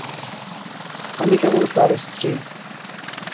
আমি কেবল তার স্ত্রী।